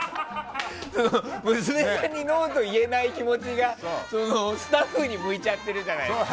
娘さんにノーと言えない気持ちがスタッフに向いちゃってるじゃないですか。